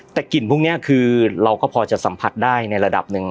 แต่กลิ่นพวกนี้คือเราก็พอจะสัมผัสได้ในระดับหนึ่ง